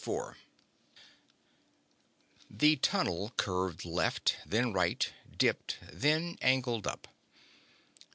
The tunnel curved left, then right, dipped, then angled up.